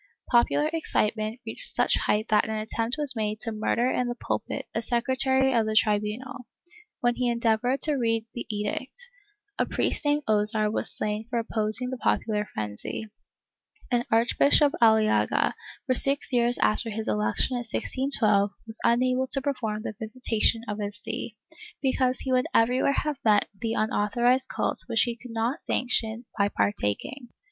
Popular excitement reached such height that an attempt was made to murder in the pulpit a secretary of the tribunal, when he endeavored to read the edict; a priest named Ozar was slain for opposing the popular frenzy, and Arch bishop Aliaga, for six years after his election in 1612, was unable to perform the visitation of his see, because he would everywhere have met with the unauthorized cult which he could not sanction by partaking.